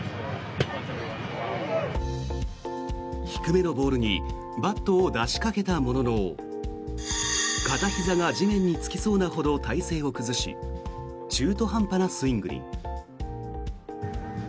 低めのボールにバットを出しかけたものの片ひざが地面につきそうなほど体勢を崩し中途半端なスイングに。